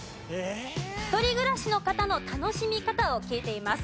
一人暮らしの方の楽しみ方を聞いています。